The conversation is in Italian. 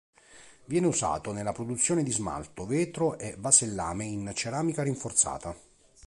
Viene usato nella produzione di smalto, vetro e vasellame in ceramica rinforzata.